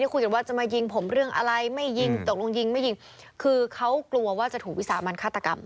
คุยกันว่าจะมายิงผมเรื่องอะไรไม่ยิงตกลงยิงไม่ยิงคือเขากลัวว่าจะถูกวิสามันฆาตกรรม